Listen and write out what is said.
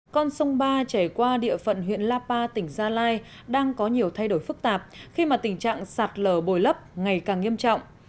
con sông ba chảy qua địa phận huyện lapa tỉnh gia lai đang có nhiều thay đổi phức tạp khi mà tình trạng sạt lở bồi lấp ngày càng nghiêm trọng